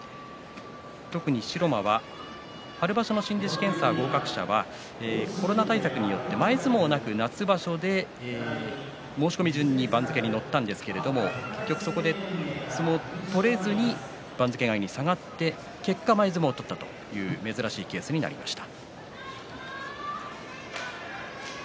特に城間は春場所の新弟子検査合格者はコロナ対策によって前相撲はなく夏場所で申し込み順に番付に載ったんですが結局そこで相撲を取れずに番付外に下がって結果、前相撲を取ったという珍しいケースになりました。